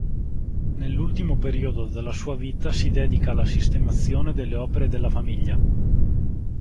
Nell'ultimo periodo della sua vita si dedica alla sistemazione delle opere della famiglia.